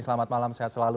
selamat malam sehat selalu